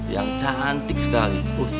yang cantik sekali